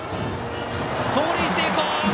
盗塁成功！